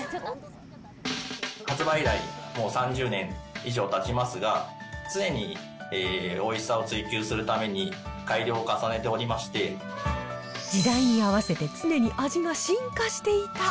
発売以来、もう３０年以上たちますが、常においしさを追求するために、改良を重ねておりまし時代に合わせて常に味が進化していた。